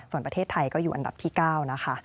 ส่วนประเทศไทยก็อยู่อันดับที่๙นะคะ